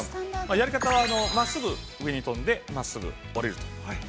やり方は、真っすぐ上に跳んで真っすぐ下りると。